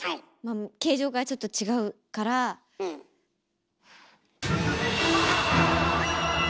形状がちょっと違うからフーン。